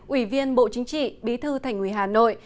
ủy viên bộ chính trị bí thư thành ủy hà nội